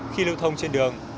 khi lưu thông trên đường